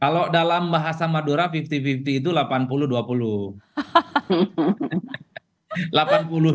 kalau dalam bahasa madura lima puluh lima puluh itu delapan puluh dua puluh